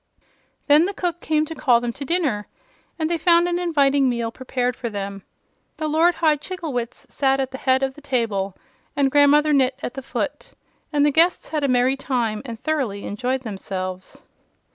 Then the cook came to call them to dinner, and they found an inviting meal prepared for them. The Lord High Chigglewitz sat at the head of the table and Grandmother Gnit at the foot, and the guests had a merry time and thoroughly enjoyed themselves.